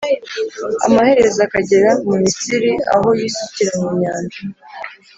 amaherezo akagera mu Misiri aho yisukira mu nyanja